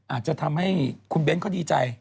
อาจจะทำให้คุณเบ้นเขาดีใจ